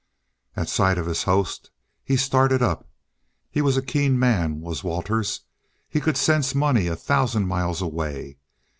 At sight of his host he started up. He was a keen man, was Waters. He could sense money a thousand miles away.